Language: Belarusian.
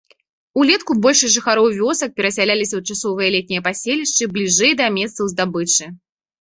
Улетку большасць жыхароў вёсак перасяляліся ў часовыя летнія паселішчы бліжэй да месцаў здабычы.